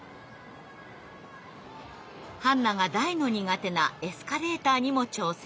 ハンナが大の苦手なエスカレーターにも挑戦。